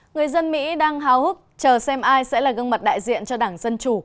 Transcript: người dân mỹ đang hào hức chờ xem ai sẽ là gương mặt đại diện cho đảng dân chủ